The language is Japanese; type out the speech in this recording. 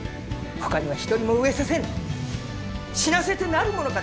ほかには一人も飢えさせぬ死なせてなるものか！